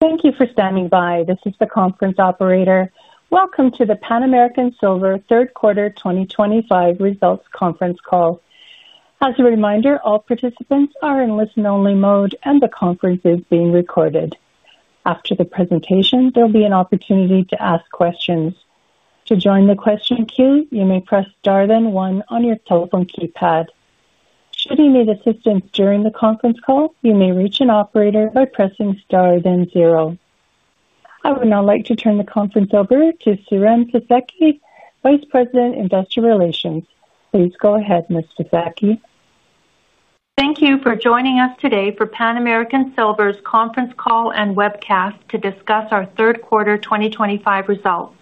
Thank you for standing by. This is the conference operator. Welcome to the Pan American Silver third quarter 2025 results conference call. As a reminder, all participants are in listen-only mode, and the conference is being recorded. After the presentation, there will be an opportunity to ask questions. To join the question queue, you may press star then one on your telephone keypad. Should you need assistance during the conference call, you may reach an operator by pressing star then zero. I would now like to turn the conference over to Siren Fisekci, Vice President, Investor Relations. Please go ahead, Ms. Fisekci. Thank you for joining us today for Pan American Silver's conference call and webcast to discuss our third quarter 2025 results.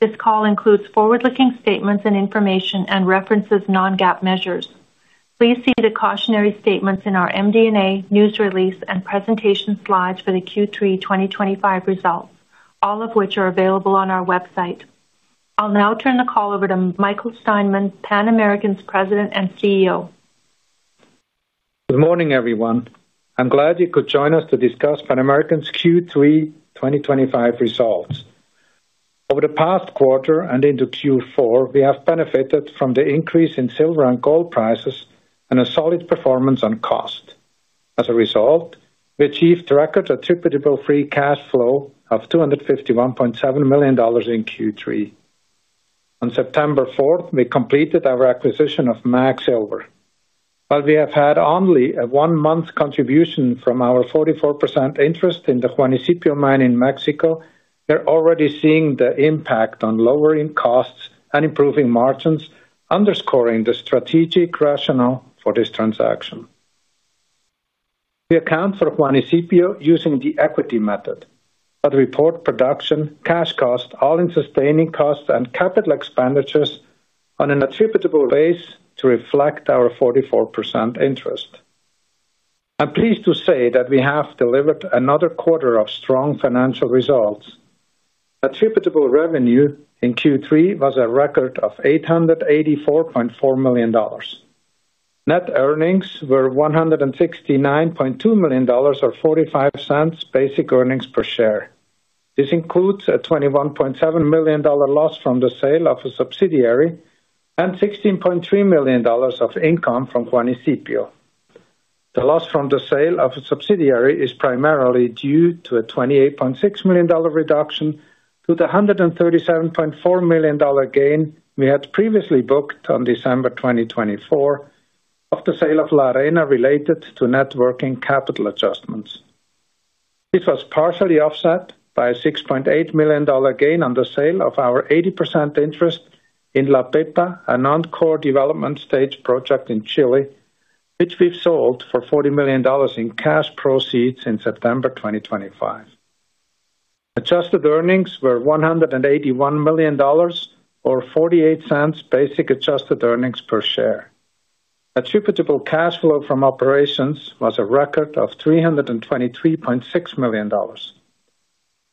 This call includes forward-looking statements and information and references non-GAAP measures. Please see the cautionary statements in our MD&A news release and presentation slides for the Q3 2025 results, all of which are available on our website. I'll now turn the call over to Michael Steinmann, Pan American's President and CEO. Good morning, everyone. I'm glad you could join us to discuss Pan American's Q3 2025 results. Over the past quarter and into Q4, we have benefited from the increase in silver and gold prices and a solid performance on cost. As a result, we achieved record attributable free cash flow of $251.7 million in Q3. On September 4th, we completed our acquisition of MAG Silver. While we have had only a one-month contribution from our 44% interest in the Juanicipio Mine in Mexico, we're already seeing the impact on lowering costs and improving margins, underscoring the strategic rationale for this transaction. We account for Juanicipio using the equity method, but report production, cash costs, all-in sustaining costs and capital expenditures on an attributable base to reflect our 44% interest. I'm pleased to say that we have delivered another quarter of strong financial results. Attributable revenue in Q3 was a record of $884.4 million. Net earnings were $169.2 million or $0.45 basic earnings per share. This includes a $21.7 million loss from the sale of a subsidiary and $16.3 million of income from Juanicipio. The loss from the sale of a subsidiary is primarily due to a $28.6 million reduction to the $137.4 million gain we had previously booked on December 2024 of the sale of La Arena related to networking capital adjustments. This was partially offset by a $6.8 million gain on the sale of our 80% interest in La Pepa, a non-core development stage project in Chile, which we've sold for $40 million in cash proceeds in September 2025. Adjusted earnings were $181 million or $0.48 basic adjusted earnings per share. Attributable cash flow from operations was a record of $323.6 million.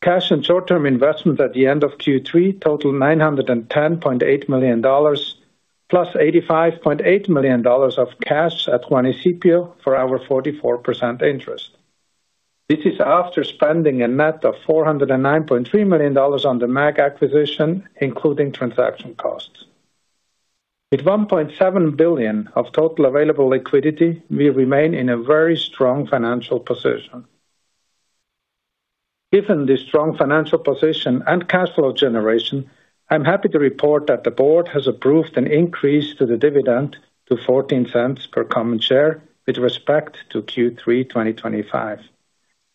Cash and short-term investments at the end of Q3 totaled $910.8 million, plus $85.8 million of cash at Juanicipio for our 44% interest. This is after spending a net of $409.3 million on the MAG acquisition, including transaction costs. With $1.7 billion of total available liquidity, we remain in a very strong financial position. Given this strong financial position and cash flow generation, I'm happy to report that the board has approved an increase to the dividend to $0.14 per common share with respect to Q3 2025.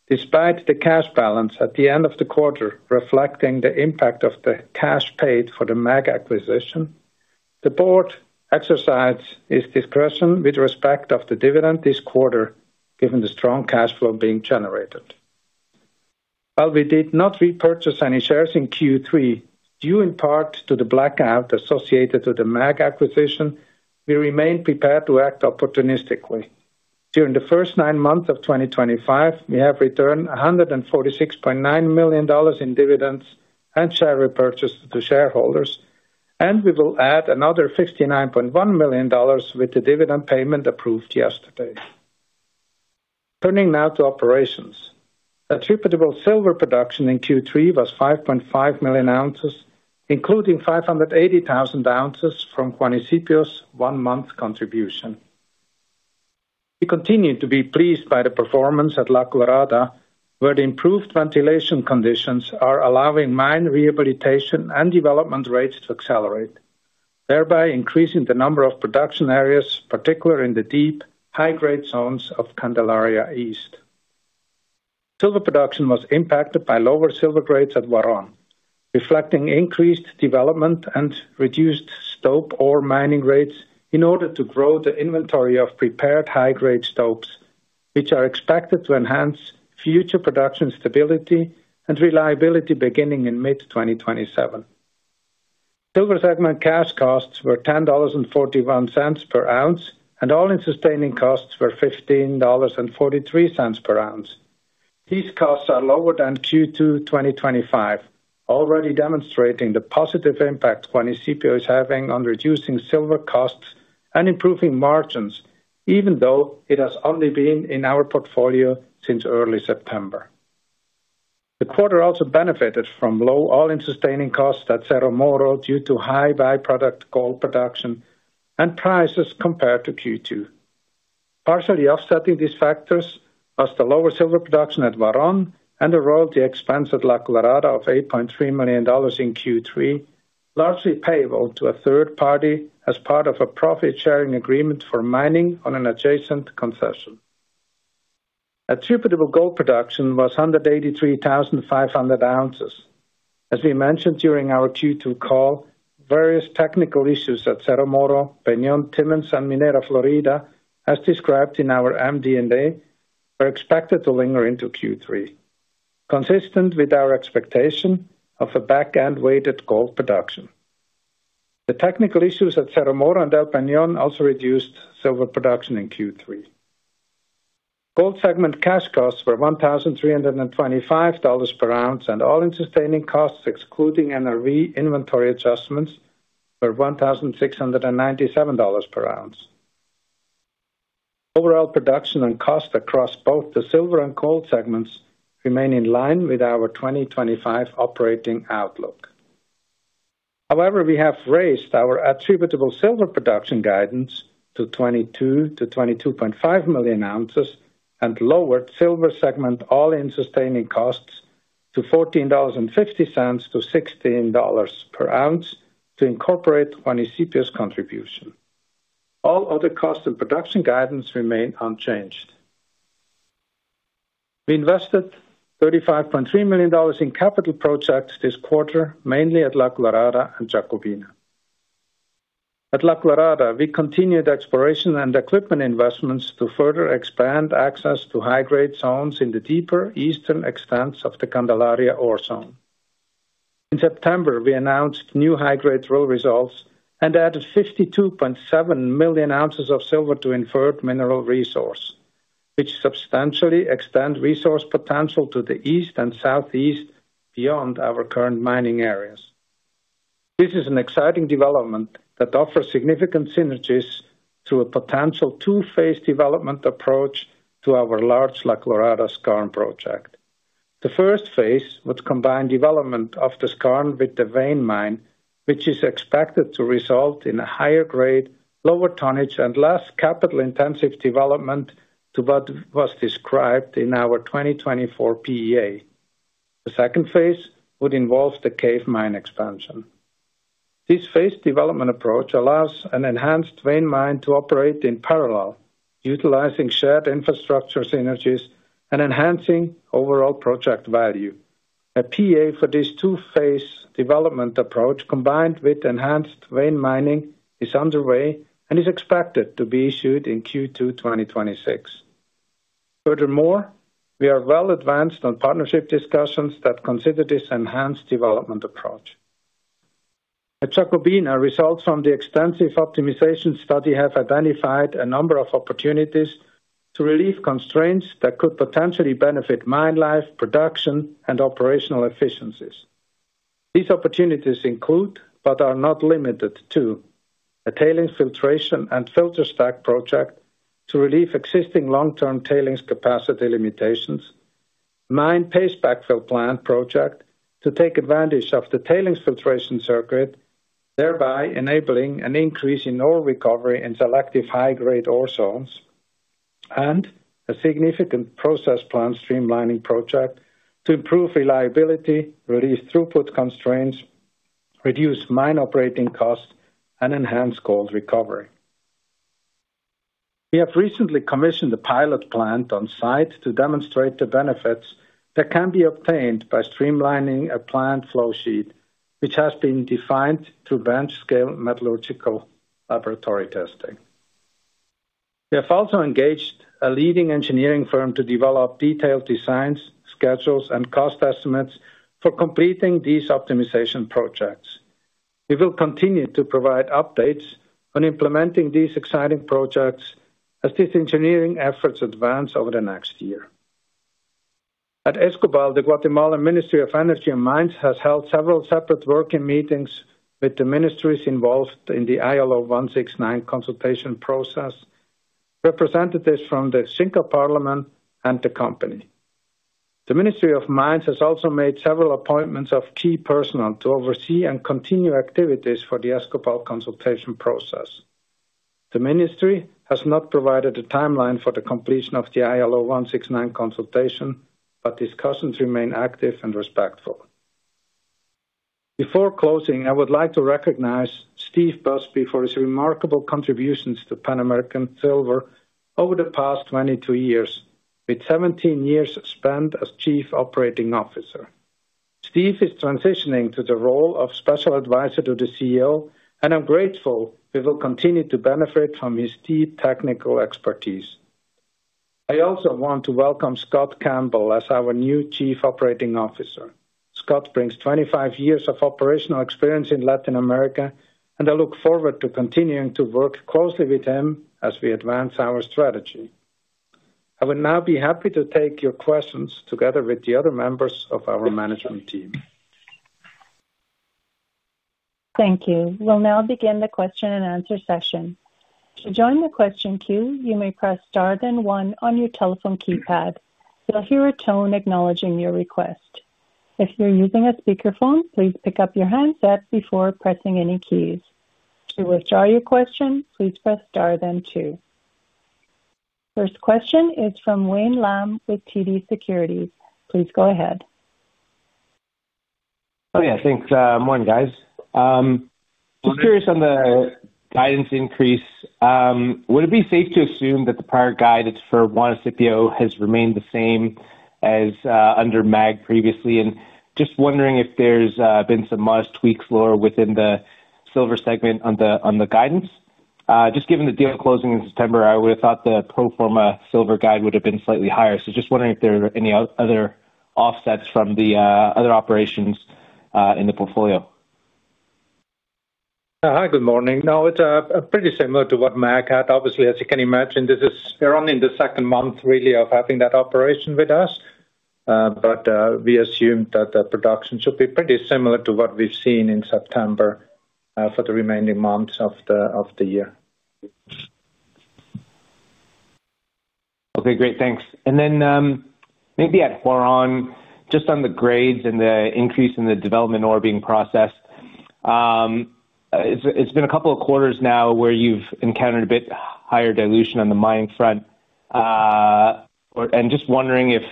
Despite the cash balance at the end of the quarter reflecting the impact of the cash paid for the MAG acquisition, the board exercised its discretion with respect to the dividend this quarter, given the strong cash flow being generated. While we did not repurchase any shares in Q3 due in part to the blackout associated with the MAG acquisition, we remain prepared to act opportunistically. During the first nine months of 2025, we have returned $146.9 million in dividends and share repurchases to shareholders, and we will add another $59.1 million with the dividend payment approved yesterday. Turning now to operations, attributable silver production in Q3 was 5.5 million ounces, including 580,000 ounces from Juanicipio's one-month contribution. We continue to be pleased by the performance at La Colorada, where the improved ventilation conditions are allowing mine rehabilitation and development rates to accelerate, thereby increasing the number of production areas, particularly in the deep high-grade zones of Candelaria East. Silver production was impacted by lower silver grades at Huarón, reflecting increased development and reduced stope or mining rates in order to grow the inventory of prepared high-grade stopes, which are expected to enhance future production stability and reliability beginning in mid-2027. Silver segment cash costs were $10.41 per ounce, and all-in sustaining costs were $15.43 per ounce. These costs are lower than Q2 2025, already demonstrating the positive impact Juanicipio is having on reducing silver costs and improving margins, even though it has only been in our portfolio since early September. The quarter also benefited from low all-in sustaining costs at Cerro Moro due to high byproduct gold production and prices compared to Q2. Partially offsetting these factors was the lower silver production at Huarón and the royalty expense at La Colorada of $8.3 million in Q3, largely payable to a third party as part of a profit-sharing agreement for mining on an adjacent concession. Attributable gold production was 183,500 ounces. As we mentioned during our Q2 call, various technical issues at Cerro Moro, El Peñón, Timmins, and Minera Florida, as described in our MD&A, were expected to linger into Q3, consistent with our expectation of a back-end weighted gold production. The technical issues at Cerro Moro and El Peñón also reduced silver production in Q3. Gold segment cash costs were $1,325 per ounce, and all-in sustaining costs, excluding NRV inventory adjustments, were $1,697 per ounce. Overall production and cost across both the silver and gold segments remain in line with our 2025 operating outlook. However, we have raised our attributable silver production guidance to 22 million ounces-22.5 million ounces and lowered silver segment all-in sustaining costs to $14.50-$16 per ounce to incorporate Juanicipio's contribution. All other costs and production guidance remain unchanged. We invested $35.3 million in capital projects this quarter, mainly at La Colorada and Jacobina. At La Colorada, we continued exploration and equipment investments to further expand access to high-grade zones in the deeper eastern extents of the Candelaria ore zone. In September, we announced new high-grade drill results and added 52.7 million ounces of silver to inferred mineral resource, which substantially extends resource potential to the east and southeast beyond our current mining areas. This is an exciting development that offers significant synergies through a potential two-phase development approach to our large La Colorada Skarn project. The first phase would combine development of the skarn with the vein mine, which is expected to result in a higher grade, lower tonnage, and less capital-intensive development to what was described in our 2024 PEA. The second phase would involve the cave mine expansion. This phased development approach allows an enhanced vein mine to operate in parallel, utilizing shared infrastructure synergies and enhancing overall project value. A PEA for this two-phase development approach, combined with enhanced vein mining, is underway and is expected to be issued in Q2 2026. Furthermore, we are well advanced on partnership discussions that consider this enhanced development approach. At Jacobina, results from the extensive optimization study have identified a number of opportunities to relieve constraints that could potentially benefit mine life, production, and operational efficiencies. These opportunities include, but are not limited to, a tailings filtration and filter stack project to relieve existing long-term tailings capacity limitations, a mine paced backfill plant project to take advantage of the tailings filtration circuit, thereby enabling an increase in ore recovery in selective high-grade ore zones, and a significant process plant streamlining project to improve reliability, reduce throughput constraints, reduce mine operating costs, and enhance gold recovery. We have recently commissioned a pilot plant on site to demonstrate the benefits that can be obtained by streamlining a plant flow sheet, which has been defined through bench-scale metallurgical laboratory testing. We have also engaged a leading engineering firm to develop detailed designs, schedules, and cost estimates for completing these optimization projects. We will continue to provide updates on implementing these exciting projects as these engineering efforts advance over the next year. At Escobal, the Guatemalan Ministry of Energy and Mines has held several separate working meetings with the ministries involved in the ILO 169 consultation process, representatives from the Xinka Parliament, and the company. The Ministry of Mines has also made several appointments of key personnel to oversee and continue activities for the Escobal consultation process. The ministry has not provided a timeline for the completion of the ILO 169 consultation, but discussions remain active and respectful. Before closing, I would like to recognize Steve Busby for his remarkable contributions to Pan American Silver over the past 22 years, with 17 years spent as Chief Operating Officer. Steve is transitioning to the role of Special Advisor to the CEO, and I'm grateful we will continue to benefit from his deep technical expertise. I also want to welcome Scott Campbell as our new Chief Operating Officer. Scott brings 25 years of operational experience in Latin America, and I look forward to continuing to work closely with him as we advance our strategy. I would now be happy to take your questions together with the other members of our management team. Thank you. We'll now begin the question and answer session. To join the question queue, you may press star then one on your telephone keypad. You'll hear a tone acknowledging your request. If you're using a speakerphone, please pick up your handset before pressing any keys. To withdraw your question, please press star then two. First question is from Wayne Lam with TD Securities. Please go ahead. Oh, yeah. Thanks. Morning, guys. Just curious on the guidance increase. Would it be safe to assume that the prior guidance for Juanicipio has remained the same as under MAG previously? Just wondering if there's been some modest tweaks, within the silver segment on the guidance. Just given the deal closing in September, I would have thought the pro forma silver guide would have been slightly higher. Just wondering if there are any other offsets from the other operations in the portfolio. Hi, good morning. No, it's pretty similar to what MAG had. Obviously, as you can imagine, we're only in the second month, really, of having that operation with us, but we assumed that the production should be pretty similar to what we've seen in September for the remaining months of the year. Okay, great. Thanks. At Huarón, just on the grades and the increase in the development ore being processed, it's been a couple of quarters now where you've encountered a bit higher dilution on the mining front, and just wondering if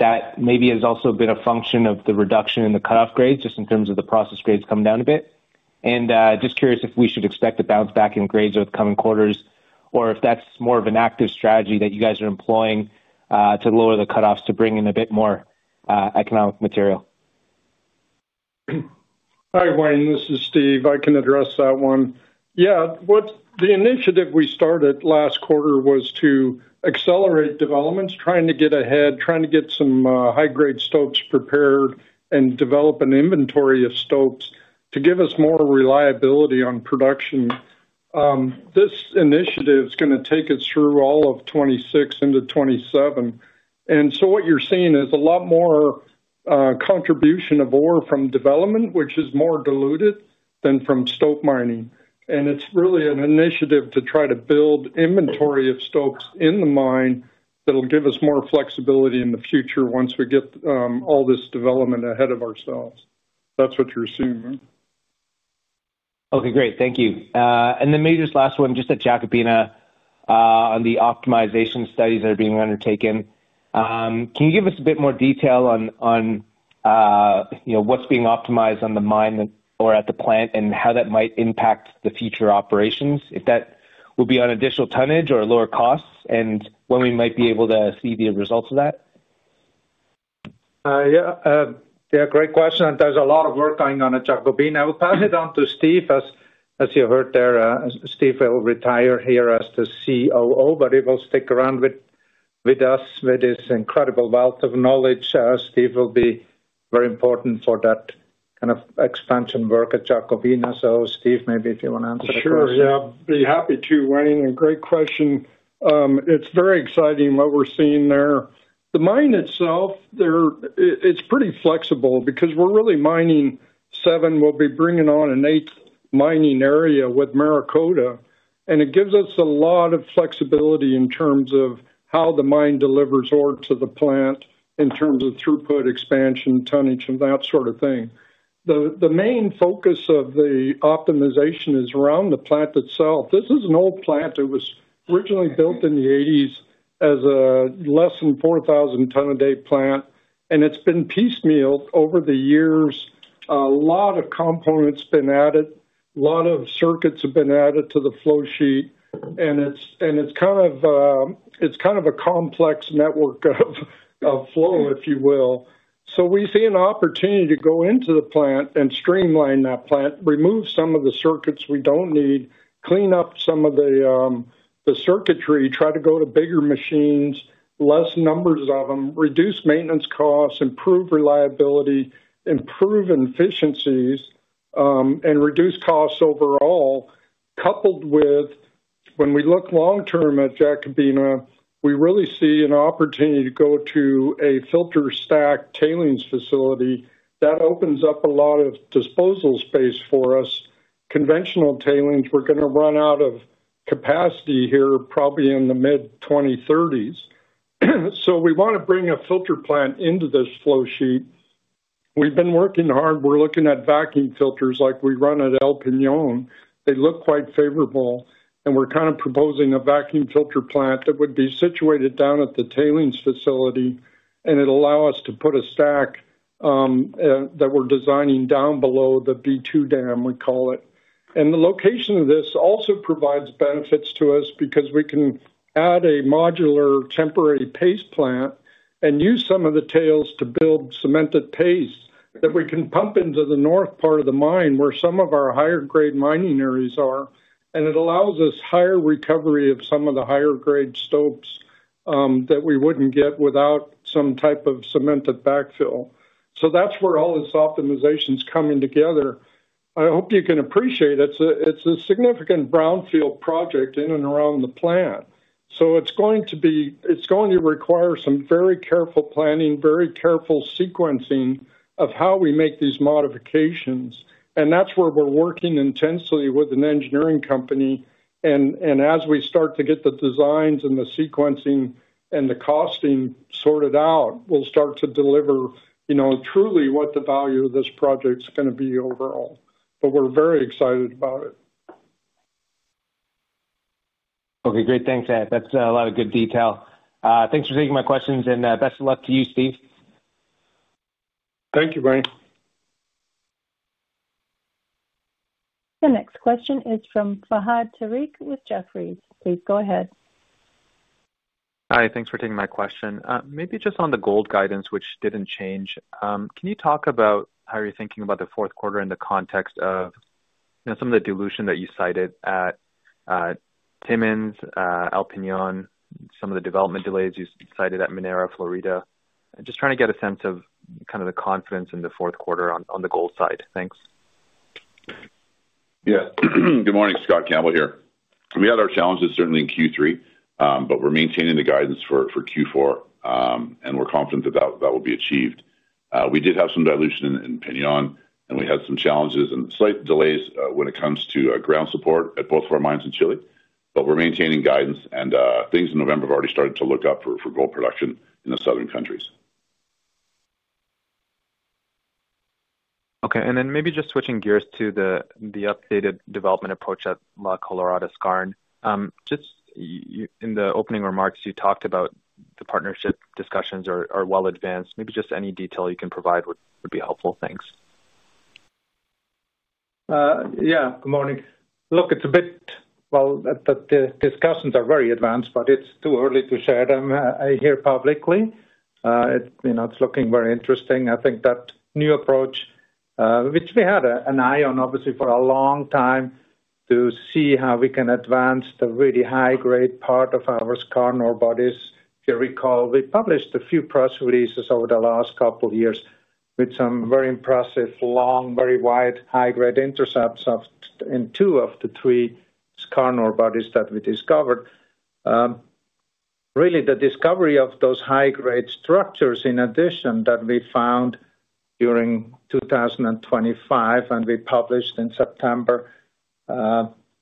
that maybe has also been a function of the reduction in the cutoff grades, just in terms of the process grades coming down a bit. Just curious if we should expect a bounce back in grades over the coming quarters, or if that's more of an active strategy that you guys are employing to lower the cutoffs to bring in a bit more economic material. Hi, Wayne. This is Steve. I can address that one. Yeah. The initiative we started last quarter was to accelerate developments, trying to get ahead, trying to get some high-grade stopes prepared and develop an inventory of stopes to give us more reliability on production. This initiative is going to take us through all of 2026 into 2027. What you are seeing is a lot more contribution of ore from development, which is more diluted than from stope mining. It is really an initiative to try to build inventory of stopes in the mine that will give us more flexibility in the future once we get all this development ahead of ourselves. That is what you are assuming. Okay, great. Thank you. And then maybe just last one, just at Jacobina, on the optimization studies that are being undertaken, can you give us a bit more detail on what's being optimized on the mine or at the plant and how that might impact the future operations, if that will be on additional tonnage or lower costs, and when we might be able to see the results of that? Yeah, great question. There's a lot of work going on at Jacobina. I will pass it on to Steve. As you heard there, Steve will retire here as the COO, but he will stick around with us with his incredible wealth of knowledge. Steve will be very important for that kind of expansion work at Jacobina. Steve, maybe if you want to answer the question. Sure. Yeah, I'd be happy to, Wayne. And great question. It's very exciting what we're seeing there. The mine itself, it's pretty flexible because we're really mining seven. We'll be bringing on an eighth mining area with Maracota, and it gives us a lot of flexibility in terms of how the mine delivers ore to the plant in terms of throughput, expansion, tonnage, and that sort of thing. The main focus of the optimization is around the plant itself. This is an old plant. It was originally built in the 1980s as a less than 4,000-ton-a-day plant, and it's been piecemealed over the years. A lot of components have been added. A lot of circuits have been added to the flow sheet, and it's kind of a complex network of flow, if you will. We see an opportunity to go into the plant and streamline that plant, remove some of the circuits we do not need, clean up some of the circuitry, try to go to bigger machines, fewer numbers of them, reduce maintenance costs, improve reliability, improve efficiencies, and reduce costs overall, coupled with when we look long-term at Jacobina, we really see an opportunity to go to a filter stack tailings facility. That opens up a lot of disposal space for us. Conventional tailings, we are going to run out of capacity here probably in the mid-2030s. We want to bring a filter plant into this flow sheet. We have been working hard. We are looking at vacuum filters like we run at El Peñón. They look quite favorable, and we're kind of proposing a vacuum filter plant that would be situated down at the tailings facility, and it'd allow us to put a stack that we're designing down below the B2 dam, we call it. The location of this also provides benefits to us because we can add a modular temporary paste plant and use some of the tails to build cemented paste that we can pump into the north part of the mine where some of our higher-grade mining areas are, and it allows us higher recovery of some of the higher-grade stopes that we wouldn't get without some type of cemented backfill. That's where all this optimization is coming together. I hope you can appreciate it. It's a significant brownfield project in and around the plant. It's going to require some very careful planning, very careful sequencing of how we make these modifications. That's where we're working intensely with an engineering company. As we start to get the designs and the sequencing and the costing sorted out, we'll start to deliver truly what the value of this project is going to be overall. We're very excited about it. Okay, great. Thanks, Matt. That's a lot of good detail. Thanks for taking my questions, and best of luck to you, Steve. Thank you, Wayne. The next question is from Fahad Tariq with Jefferies. Please go ahead. Hi, thanks for taking my question. Maybe just on the gold guidance, which did not change, can you talk about how you are thinking about the fourth quarter in the context of some of the dilution that you cited at Timmins, El Peñón, some of the development delays you cited at Minera Florida? I am just trying to get a sense of the confidence in the fourth quarter on the gold side. Thanks. Yeah. Good morning, Scott Campbell here. We had our challenges, certainly, in Q3, but we are maintaining the guidance for Q4, and we are confident that that will be achieved. We did have some dilution in El Peñon, and we had some challenges and slight delays when it comes to ground support at both of our mines in Chile, but we are maintaining guidance, and things in November have already started to look up for gold production in the southern countries. Okay. Maybe just switching gears to the updated development approach at La Colorada Skarn. Just in the opening remarks, you talked about the partnership discussions are well advanced. Maybe just any detail you can provide would be helpful. Thanks. Yeah. Good morning. Look, it's a bit, the discussions are very advanced, but it's too early to share them here publicly. It's looking very interesting. I think that new approach, which we had an eye on, obviously, for a long time to see how we can advance the really high-grade part of our skarn ore bodies. If you recall, we published a few press releases over the last couple of years with some very impressive, long, very wide high-grade intercepts in two of the three skarn ore bodies that we discovered. Really, the discovery of those high-grade structures, in addition, that we found during 2025, and we published in September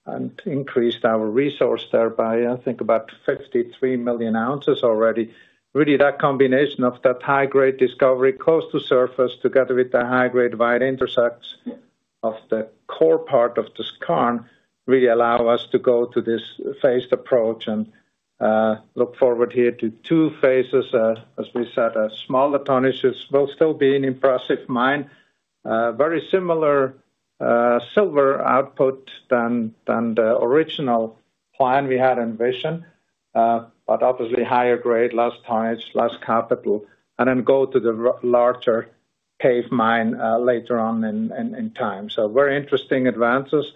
and increased our resource thereby, I think about 53 million ounces already. Really, that combination of that high-grade discovery close to surface together with the high-grade wide intercepts of the core part of the skarn really allow us to go to this phased approach and look forward here to two phases, as we said, small tonnages, but still being impressive mine, very similar silver output than the original plan we had envisioned, but obviously higher grade, less tonnage, less capital, and then go to the larger cave mine later on in time. Very interesting advances.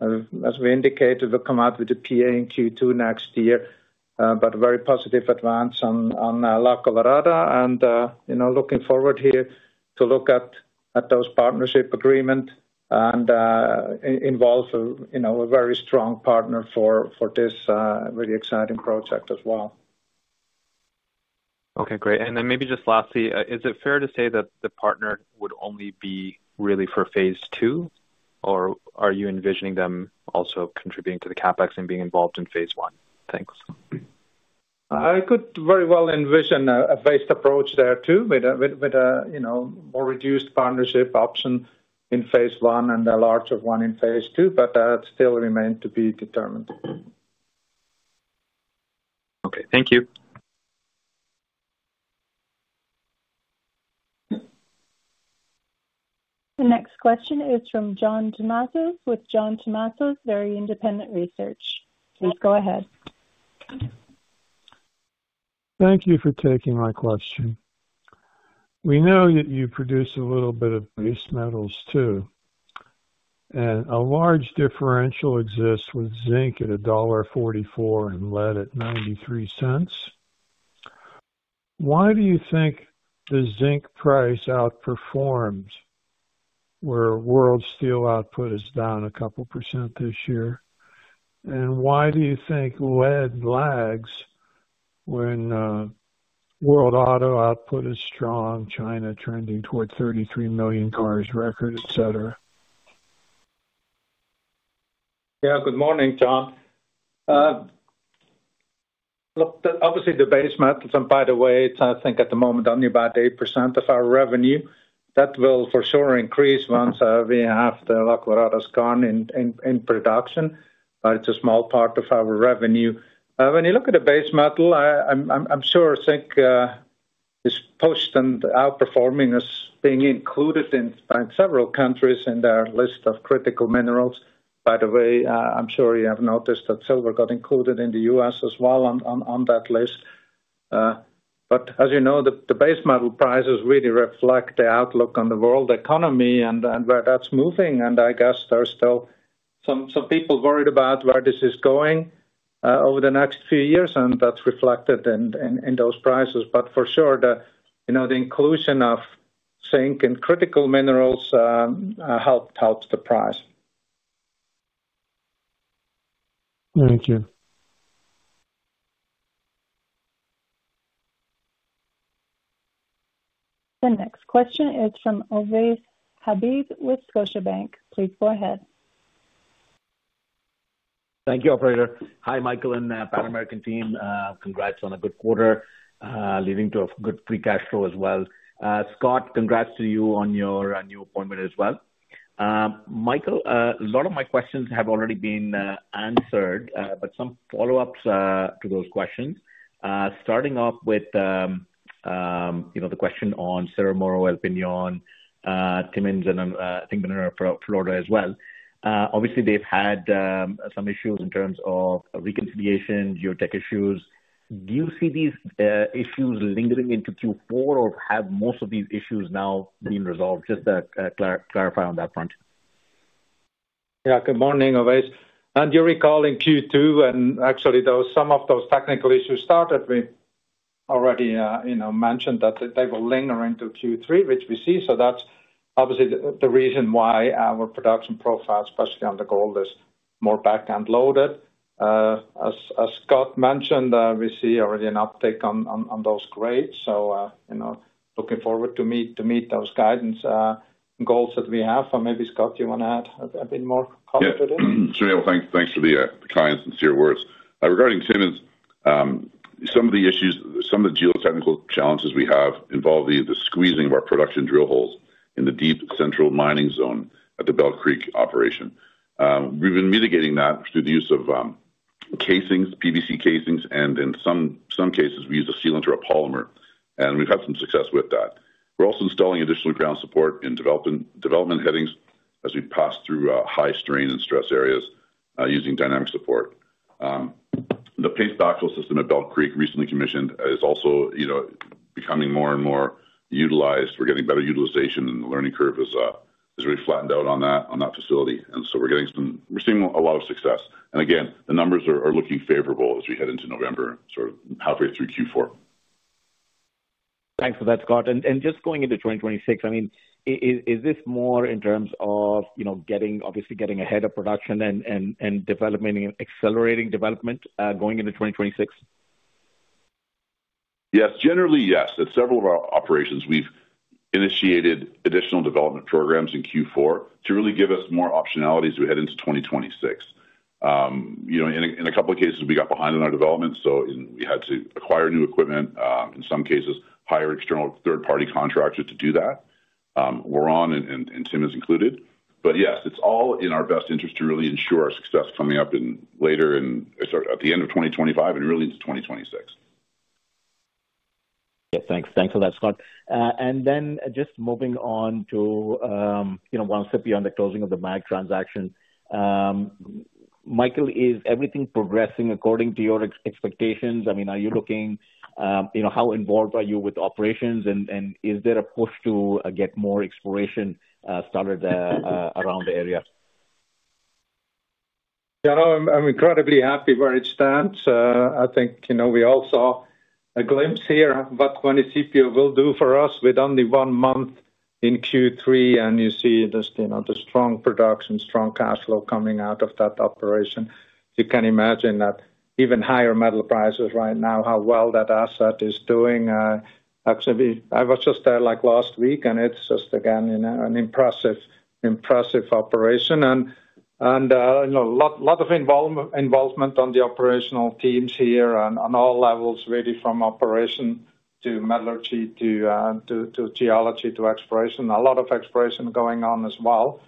As we indicated, we'll come out with a PEA in Q2 next year, but a very positive advance on La Colorada, and looking forward here to look at those partnership agreements and involve a very strong partner for this really exciting project as well. Okay, great. And then maybe just lastly, is it fair to say that the partner would only be really for phase II, or are you envisioning them also contributing to the CapEx and being involved in phase I? Thanks. I could very well envision a phased approach there too with a more reduced partnership option in phase I and a larger one in phase II, but that still remains to be determined. Okay. Thank you. The next question is from John Tumazos with John Tumazos Very Independent Research. Please go ahead. Thank you for taking my question. We know that you produce a little bit of base metals too, and a large differential exists with zinc at $1.44 and lead at $0.93. Why do you think the zinc price outperforms where world steel output is down a couple percent this year? Why do you think lead lags when world auto output is strong, China trending toward 33 million cars record, etc.? Yeah. Good morning, John. Look, obviously, the base metals, and by the way, it's, I think, at the moment only about 8% of our revenue. That will for sure increase once we have the La Colorada Skarn in production, but it's a small part of our revenue. When you look at the base metal, I'm sure zinc is pushed and outperforming as being included in several countries in their list of critical minerals. By the way, I'm sure you have noticed that silver got included in the U.S. as well on that list. As you know, the base metal prices really reflect the outlook on the world economy and where that's moving. I guess there's still some people worried about where this is going over the next few years, and that's reflected in those prices. For sure, the inclusion of zinc and critical minerals helps the price. Thank you. The next question is from Ovais Habib with Scotiabank. Please go ahead. Thank you, Operator. Hi, Michael and Pan American team. Congrats on a good quarter leading to a good free cash flow as well. Scott, congrats to you on your new appointment as well. Michael, a lot of my questions have already been answered, but some follow-ups to those questions. Starting off with the question on Cerro Moro, El Peñón, Timmins, and I think Minera Florida as well. Obviously, they've had some issues in terms of reconciliation, geotech issues. Do you see these issues lingering into Q4, or have most of these issues now been resolved? Just to clarify on that front. Yeah. Good morning, Ovais. And you're recalling Q2, and actually, some of those technical issues started with already mentioned that they will linger into Q3, which we see. That's obviously the reason why our production profile, especially on the gold, is more back-end loaded. As Scott mentioned, we see already an uptake on those grades. Looking forward to meet those guidance goals that we have. Maybe Scott, do you want to add a bit more comment to this? Yeah. Thanks for the kind and sincere words. Regarding Timmins, some of the geotechnical challenges we have involve the squeezing of our production drill holes in the deep central mining zone at the Bell Creek operation. We've been mitigating that through the use of casings, PVC casings, and in some cases, we use a sealant or a polymer, and we've had some success with that. We're also installing additional ground support in development headings as we pass through high strain and stress areas using dynamic support. The paste backfill system at Bell Creek recently commissioned is also becoming more and more utilized. We're getting better utilization, and the learning curve has really flattened out on that facility. We're seeing a lot of success. The numbers are looking favorable as we head into November, sort of halfway through Q4. Thanks for that, Scott. Just going into 2026, I mean, is this more in terms of obviously getting ahead of production and accelerating development going into 2026? Yes. Generally, yes. At several of our operations, we've initiated additional development programs in Q4 to really give us more optionalities as we head into 2026. In a couple of cases, we got behind on our development, so we had to acquire new equipment, in some cases, hire external third-party contractors to do that. We're on, and Timmins included. Yes, it's all in our best interest to really ensure our success coming up later at the end of 2025 and really into 2026. Yeah. Thanks for that, Scott. Then just moving on to one sip here on the closing of the MAG transaction. Michael, is everything progressing according to your expectations? I mean, are you looking, how involved are you with operations, and is there a push to get more exploration started around the area? Yeah. I'm incredibly happy where it stands. I think we all saw a glimpse here of what Juanicipio will do for us with only one month in Q3, and you see just the strong production, strong cash flow coming out of that operation. You can imagine that even higher metal prices right now, how well that asset is doing. Actually, I was just there last week, and it's just, again, an impressive operation. A lot of involvement on the operational teams here on all levels, really from operation to metallurgy to geology to exploration. A lot of exploration going on as well.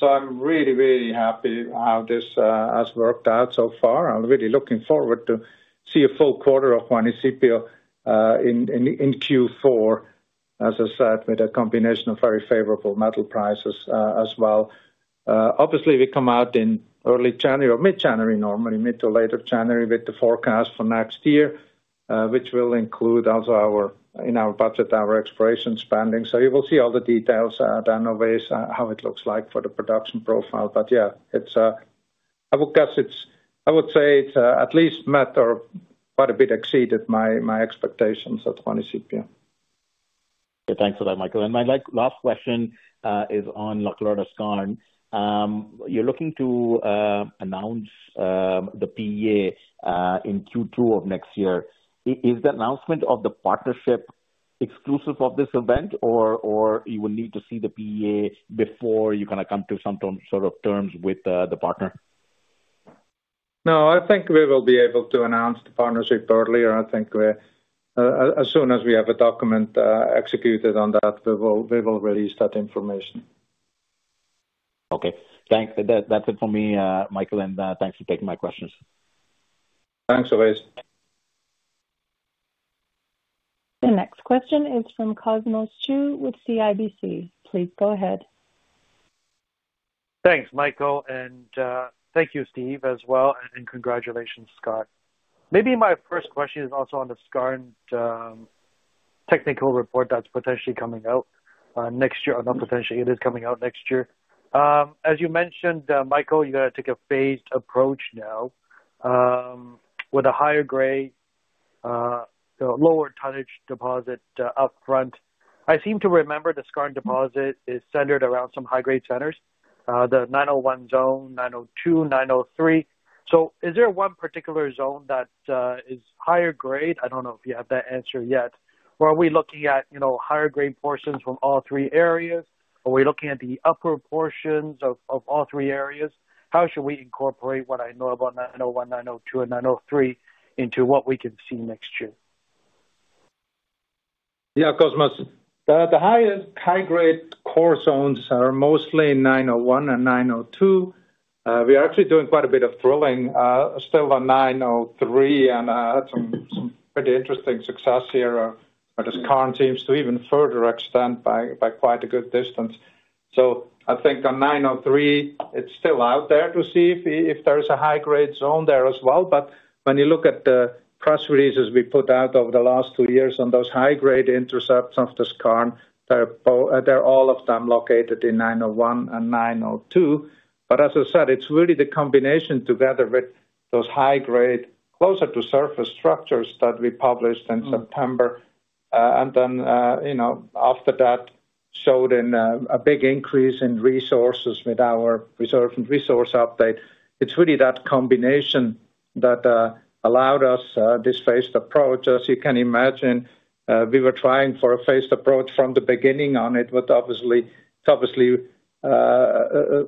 I'm really, really happy how this has worked out so far. I'm really looking forward to see a full quarter of Juanicipio in Q4, as I said, with a combination of very favorable metal prices as well. Obviously, we come out in early January or mid-January, normally mid to late of January with the forecast for next year, which will include also in our budget our exploration spending. You will see all the details then of how it looks like for the production profile. Yeah, I would guess it's, I would say it's at least met or quite a bit exceeded my expectations at Juanicipio. Yeah. Thanks for that, Michael. My last question is on La Colorada Skarn. You're looking to announce the PEA in Q2 of next year. Is the announcement of the partnership exclusive of this event, or you will need to see the PEA before you kind of come to some sort of terms with the partner? No, I think we will be able to announce the partnership early. I think as soon as we have a document executed on that, we will release that information. Okay. Thanks. That's it for me, Michael, and thanks for taking my questions. Thanks, Ovais. The next question is from Cosmos Chiu with CIBC. Please go ahead. Thanks, Michael, and thank you, Steve as well, and congratulations, Scott. Maybe my first question is also on the skarn technical report that's potentially coming out next year, or not potentially, it is coming out next year. As you mentioned, Michael, you're going to take a phased approach now with a higher grade, lower tonnage deposit upfront. I seem to remember the skarn deposit is centered around some high-grade centers, the 901 zone, 902, 903. Is there one particular zone that is higher grade? I do not know if you have that answer yet. Are we looking at higher grade portions from all three areas? Are we looking at the upper portions of all three areas? How should we incorporate what I know about 901, 902, and 903 into what we can see next year? Yeah, Cosmos. The high-grade core zones are mostly 901 and 902. We are actually doing quite a bit of drilling still on 903, and some pretty interesting success here where the skarn seems to even further extend by quite a good distance. I think on 903, it is still out there to see if there is a high-grade zone there as well. When you look at the press releases we put out over the last two years on those high-grade intercepts of the skarn, they're all of them located in 901 and 902. As I said, it's really the combination together with those high-grade, closer to surface structures that we published in September. After that, it showed a big increase in resources with our reserve and resource update. It's really that combination that allowed us this phased approach. As you can imagine, we were trying for a phased approach from the beginning on it, but obviously, it's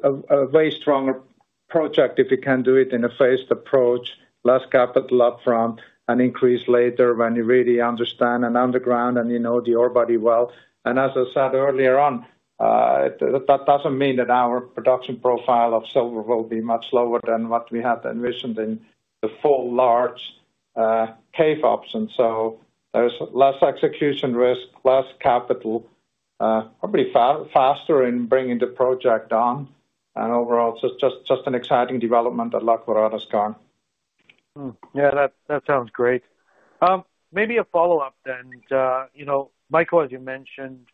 a way stronger project if you can do it in a phased approach, less capital upfront, and increase later when you really understand underground and you know the ore body well. As I said earlier on, that does not mean that our production profile of silver will be much lower than what we had envisioned in the full large cave option. There is less execution risk, less capital, probably faster in bringing the project on. Overall, it is just an exciting development at La Colorada Skarn. Yeah, that sounds great. Maybe a follow-up then. Michael, as you mentioned,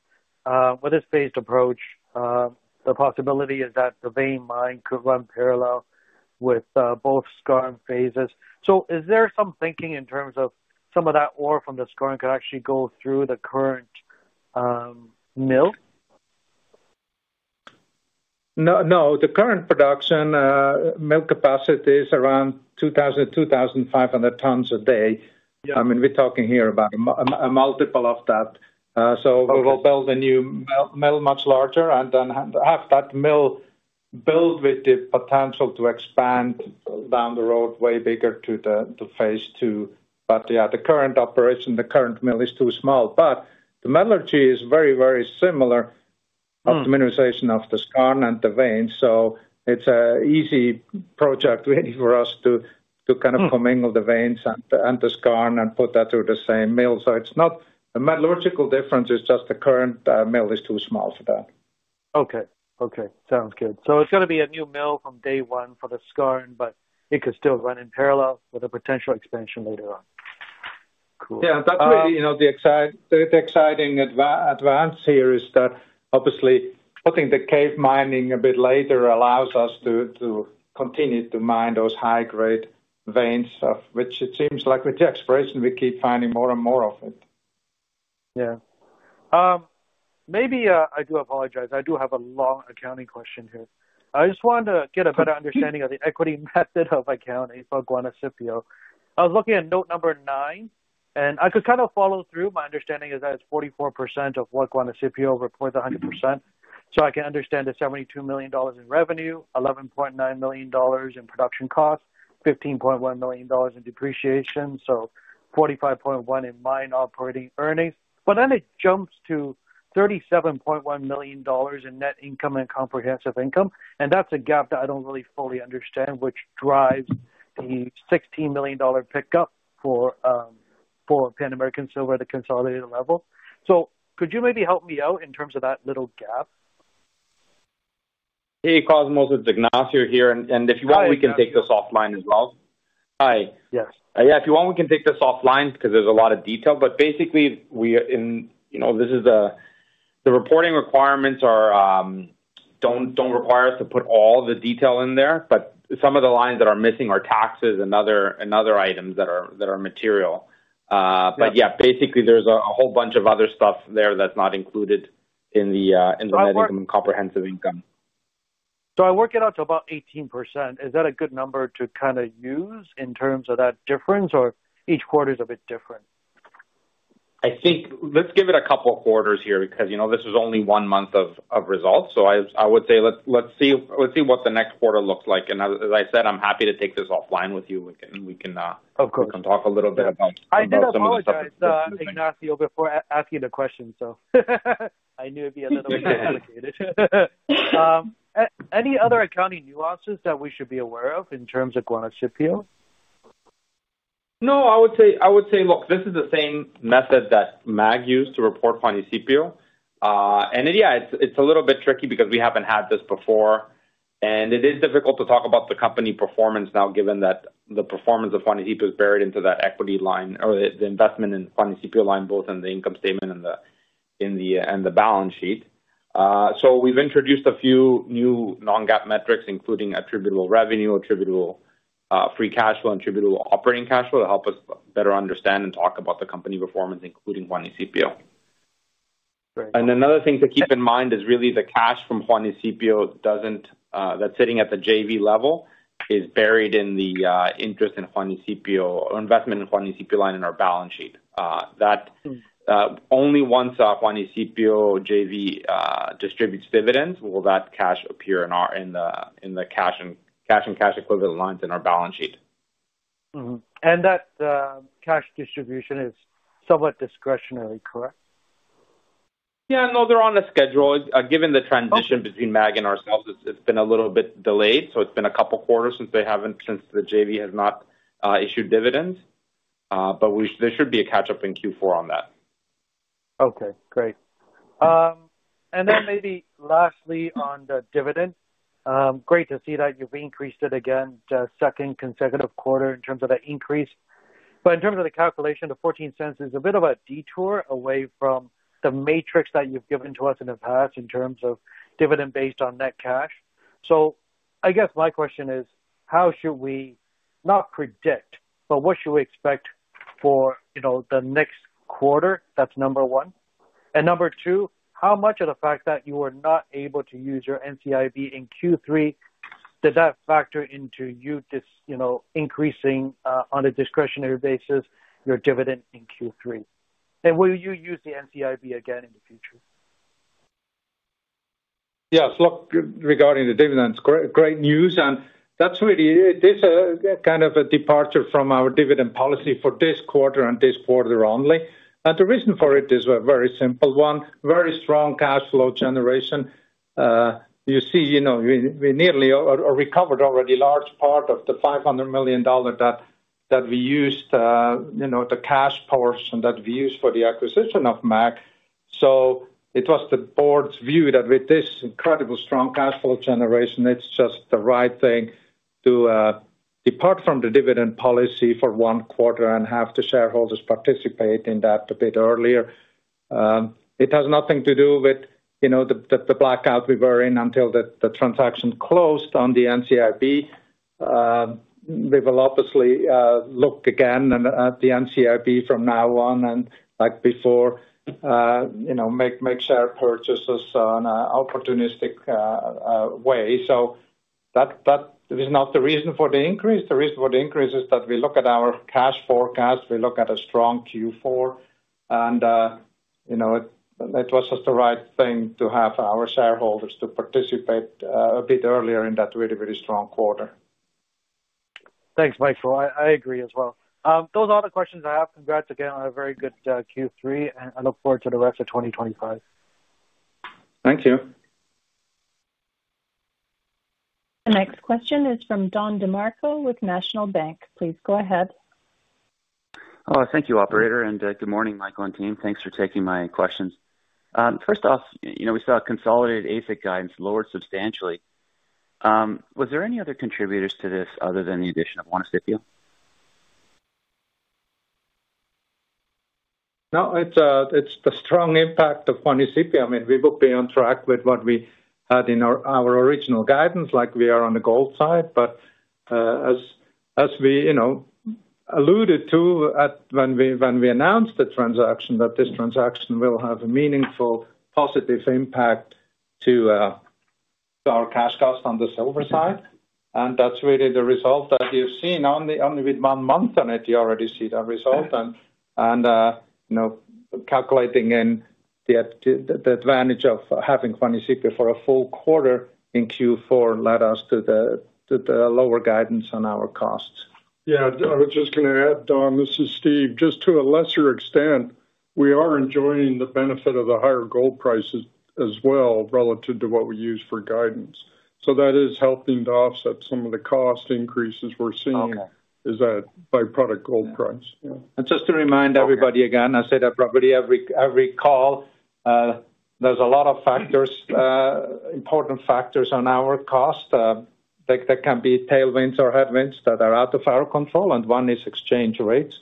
with this phased approach, the possibility is that the vein line could run parallel with both skarn phases. Is there some thinking in terms of some of that ore from the skarn could actually go through the current mill? No, the current production mill capacity is around 2,000 tons-2,500 tons a day. I mean, we are talking here about a multiple of that. We will build a new mill, much larger, and then have that mill built with the potential to expand down the road way bigger to phase II. Yeah, the current operation, the current mill is too small. The metallurgy is very, very similar of the mineralization of the skarn and the veins. It is an easy project really for us to kind of commingle the veins and the skarn and put that through the same mill. It is not a metallurgical difference, it is just the current mill is too small for that. Okay. Okay. Sounds good. It is going to be a new mill from day one for the skarn, but it could still run in parallel with a potential expansion later on. Cool. Yeah. That's really the exciting advance here is that obviously putting the cave mining a bit later allows us to continue to mine those high-grade veins, which it seems like with the exploration we keep finding more and more of it. Yeah. Maybe I do apologize. I do have a long accounting question here. I just want to get a better understanding of the equity method of accounting for Juanicipio. I was looking at note number nine, and I could kind of follow through. My understanding is that it's 44% of what Juanicipio reports, 100%. So I can understand the $72 million in revenue, $11.9 million in production costs, $15.1 million in depreciation. So $45.1 million in mine operating earnings. But then it jumps to $37.1 million in net income and comprehensive income. That's a gap that I do not really fully understand, which drives the $16 million pickup for Pan American Silver at the consolidated level. Could you maybe help me out in terms of that little gap? Hey, Cosmos, it's Ignacio here. If you want, we can take this offline as well. Hi. Yes. If you want, we can take this offline because there's a lot of detail. Basically, the reporting requirements do not require us to put all the detail in there. Some of the lines that are missing are taxes and other items that are material. Basically, there's a whole bunch of other stuff there that's not included in the net income and comprehensive income. I work it out to about 18%. Is that a good number to kind of use in terms of that difference, or each quarter is a bit different? I think let's give it a couple of quarters here because this is only one month of results. I would say let's see what the next quarter looks like. As I said, I'm happy to take this offline with you, and we can talk a little bit about some of the stuff. I did apologize, Ignacio, before asking the question, so I knew it'd be a little bit complicated. Any other accounting nuances that we should be aware of in terms of Juanicipio? No, I would say, look, this is the same method that MAG used to report Juanicipio. Yeah, it's a little bit tricky because we haven't had this before. It is difficult to talk about the company performance now, given that the performance of Juanicipio is buried into that equity line or the investment in Juanicipio line, both in the income statement and the balance sheet. We have introduced a few new non-GAAP metrics, including attributable revenue, attributable free cash flow, and attributable operating cash flow to help us better understand and talk about the company performance, including Juanicipio. Another thing to keep in mind is really the cash from Juanicipio that is sitting at the JV level is buried in the interest in Juanicipio or investment in Juanicipio line in our balance sheet. Only once the Juanicipio JV distributes dividends will that cash appear in the cash and cash equivalent lines in our balance sheet. That cash distribution is somewhat discretionary, correct? Yeah. No, they are on a schedule. Given the transition between MAG and ourselves, it's been a little bit delayed. It's been a couple of quarters since the JV has not issued dividends. There should be a catch-up in Q4 on that. Okay. Great. Maybe lastly on the dividend, great to see that you've increased it again, second consecutive quarter in terms of that increase. In terms of the calculation, the $0.14 is a bit of a detour away from the matrix that you've given to us in the past in terms of dividend based on net cash. I guess my question is, how should we not predict, but what should we expect for the next quarter? That's number one. Number two, how much of the fact that you were not able to use your NCIB in Q3 did that factor into you increasing on a discretionary basis your dividend in Q3? Will you use the NCIB again in the future? Yes. Look, regarding the dividends, great news. That is really kind of a departure from our dividend policy for this quarter and this quarter only. The reason for it is a very simple one, very strong cash flow generation. You see, we nearly recovered already a large part of the $500 million that we used, the cash portion that we used for the acquisition of MAG. It was the board's view that with this incredible strong cash flow generation, it is just the right thing to depart from the dividend policy for one quarter and have the shareholders participate in that a bit earlier. It has nothing to do with the blackout we were in until the transaction closed on the NCIB. We will obviously look again at the NCIB from now on and like before, make share purchases in an opportunistic way. That is not the reason for the increase. The reason for the increase is that we look at our cash forecast, we look at a strong Q4, and it was just the right thing to have our shareholders participate a bit earlier in that really, really strong quarter. Thanks, Michael. I agree as well. Those are the questions I have. Congrats again on a very good Q3, and I look forward to the rest of 2025. Thank you. The next question is from Don DeMarco with National Bank. Please go ahead. Oh, thank you, Operator, and good morning, Michael and team. Thanks for taking my questions. First off, we saw consolidated AISC guidance lowered substantially. Was there any other contributors to this other than the addition of Juanicipio? No, it's the strong impact of Juanicipio. I mean, we would be on track with what we had in our original guidance, like we are on the gold side. As we alluded to when we announced the transaction, this transaction will have a meaningful positive impact to our cash cost on the silver side. That's really the result that you've seen. Only with one month on it, you already see that result. Calculating in the advantage of having Juanicipio for a full quarter in Q4 led us to the lower guidance on our costs. Yeah. I was just going to add, Don, this is Steve. Just to a lesser extent, we are enjoying the benefit of the higher gold prices as well relative to what we use for guidance. That is helping to offset some of the cost increases we are seeing is that byproduct gold price. Yeah. Just to remind everybody again, I say that probably every call, there are a lot of factors, important factors on our cost. There can be tailwinds or headwinds that are out of our control, and one is exchange rates.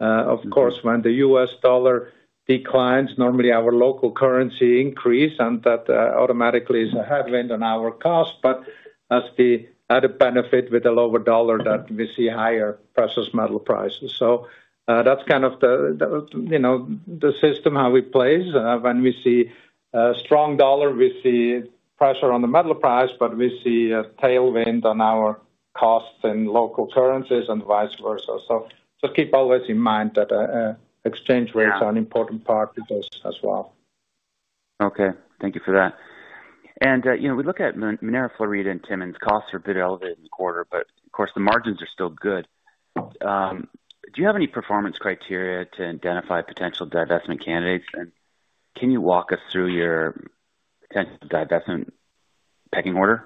Of course, when the U.S. dollar declines, normally our local currency increases, and that automatically is a headwind on our cost. That is the added benefit with the lower dollar that we see higher precious metal prices. That is kind of the system how we play. When we see a strong dollar, we see pressure on the metal price, but we see a tailwind on our costs in local currencies and vice versa. Just keep always in mind that exchange rates are an important part of this as well. Okay. Thank you for that. We look at Minera Florida and Timmins. Costs are a bit elevated in the quarter, but of course, the margins are still good. Do you have any performance criteria to identify potential divestment candidates? Can you walk us through your potential divestment pecking order?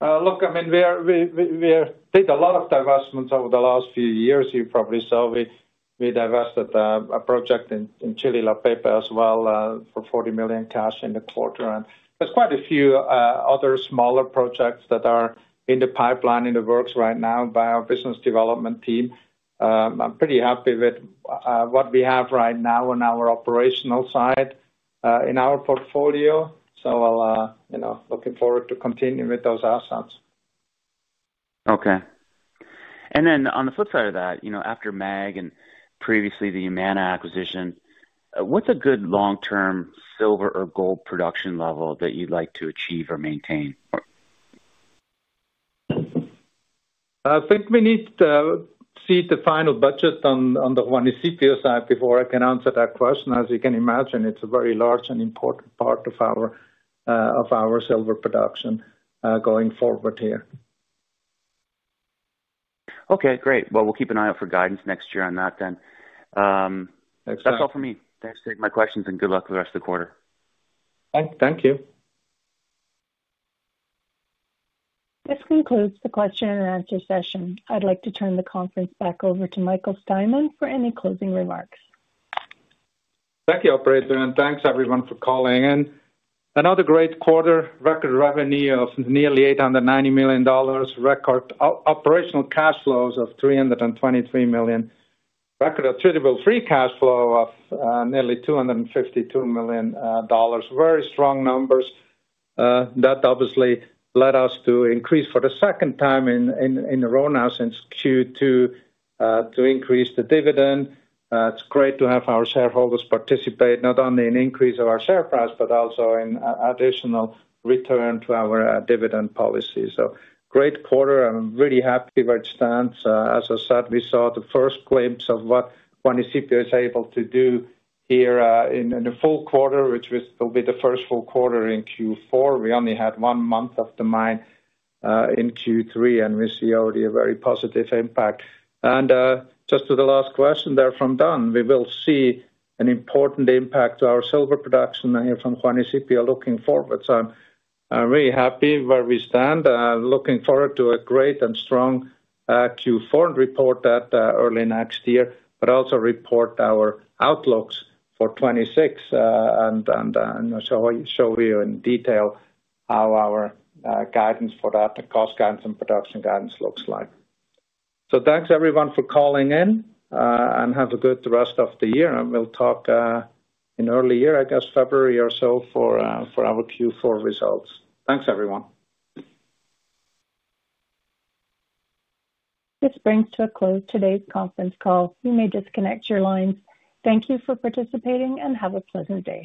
Look, I mean, we did a lot of divestments over the last few years. You probably saw we divested a project in Chile, La Pepa as well, for $40 million cash in the quarter. There are quite a few other smaller projects that are in the pipeline, in the works right now by our business development team. I'm pretty happy with what we have right now on our operational side in our portfolio. I'm looking forward to continuing with those assets. On the flip side of that, after MAG and previously the Yamana acquisition, what's a good long-term silver or gold production level that you'd like to achieve or maintain? I think we need to see the final budget on the Juanicipio side before I can answer that question. As you can imagine, it's a very large and important part of our silver production going forward here. Great. We'll keep an eye out for guidance next year on that then. That's all for me. Thanks for taking my questions and good luck with the rest of the quarter. Thank you. This concludes the question and answer session. I'd like to turn the conference back over to Michael Steinmann for any closing remarks. Thank you, Operator, and thanks everyone for calling. Another great quarter, record revenue of nearly $890 million, record operational cash flows of $323 million, record attributable free cash flow of nearly $252 million. Very strong numbers. That obviously led us to increase for the second time in a row now since Q2 to increase the dividend. It's great to have our shareholders participate, not only in increase of our share price, but also in additional return to our dividend policy. Great quarter. I'm really happy with its stance. As I said, we saw the first glimpse of what Juanicipio is able to do here in the full quarter, which will be the first full quarter in Q4. We only had one month of the mine in Q3, and we see already a very positive impact. Just to the last question there from Don, we will see an important impact to our silver production here from Juanicipio looking forward. I'm really happy where we stand. Looking forward to a great and strong Q4 report early next year, but also report our outlooks for 2026 and show you in detail how our guidance for that, the cost guidance and production guidance looks like. Thanks everyone for calling in, and have a good rest of the year. We'll talk in early year, I guess, February or so for our Q4 results. Thanks everyone. This brings to a close today's conference call. You may disconnect your lines. Thank you for participating and have a pleasant day.